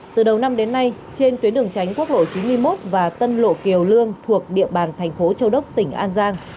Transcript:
từ đầu năm đến nay trên tuyến đường tránh quốc lộ chín mươi một và tân lộ kiều lương thuộc địa bàn thành phố châu đốc tỉnh an giang